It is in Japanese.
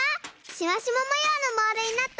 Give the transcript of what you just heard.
シマシマもようのモールになった！